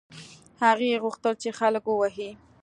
هغې غوښتل چې خلک ووهي.